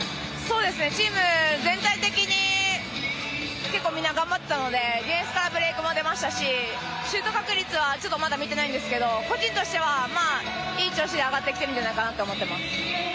チーム全体的に、結構みんな頑張っていたので、ディフェンスからブレークも出ましたし、シュート確率は、まだ見てないんですけど、個人としてはいい調子で上がってきているんじゃないかなと思います。